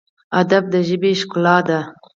ادب د ژبې ښکلا ده